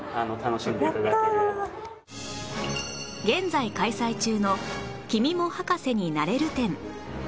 現在開催中の「君も博士になれる展」